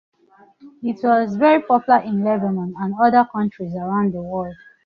It was very popular in Lebanon and other countries around the world.